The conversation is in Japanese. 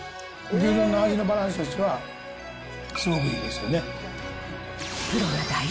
牛丼の味のバランスが一番すごくいいですよね。